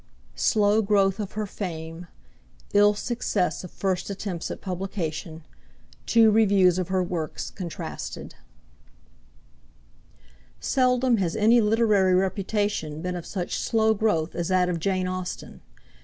Slow growth of her fame Ill success of first attempts at publication Two Reviews of her works contrasted. Seldom has any literary reputation been of such slow growth as that of Jane Austen.